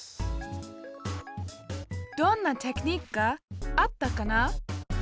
どんなテクニックがあったかな？